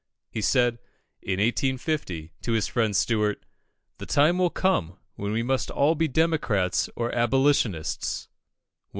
He said, in 1850, to his friend Stuart "The time will come when we must all be Democrats or Abolitionists.